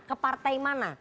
ke partai mana